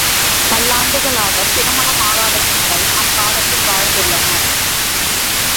பல்லாண்டுகளாகத் திருமணமாகாத பெண்கள் அக்காலத்தில் வாழ்ந்துள்ளனர்.